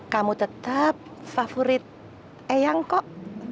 kamu tetap favorit eyang kok